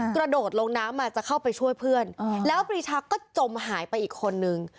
กระโดดลงน้ำมาจะเข้าไปช่วยเพื่อนแล้วปรีชาก็จมหายไปอีกคนนึง